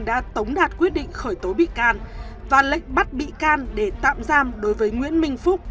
đã tống đạt quyết định khởi tố bị can và lệnh bắt bị can để tạm giam đối với nguyễn minh phúc